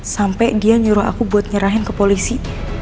sampai dia nyuruh aku buat nyerahin ke polisi